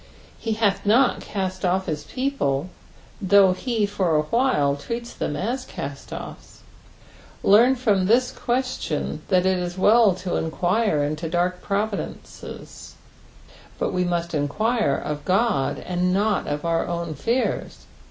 He hath not cast off his people, though he for awhile treats them as caet'Offs. Lesrn from this question that it is well to enquire into dark providences, but we must enquire of Qod, not of our own fears.